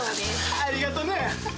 ありがとね。